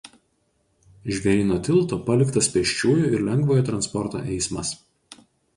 Žvėryno tiltu paliktas pėsčiųjų ir lengvojo transporto eismas.